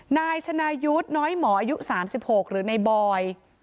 นายชนายุทธ์น้อยหมออายุ๓๖หรือในบอย